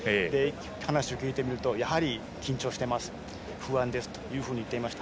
話を聞いてみるとやはり緊張してます、不安ですと言っていました。